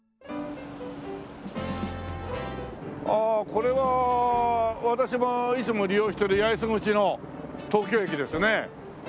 ああこれは私がいつも利用してる八重洲口の東京駅ですね。